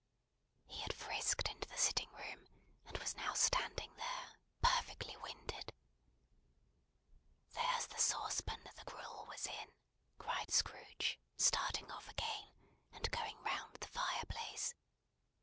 He had frisked into the sitting room, and was now standing there: perfectly winded. "There's the saucepan that the gruel was in!" cried Scrooge, starting off again, and going round the fireplace.